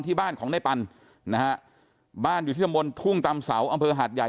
ที่บ้านของนายปันนะบ้านอยู่ที่บนทุ่งตามเสาอำเภอหาดใหญ่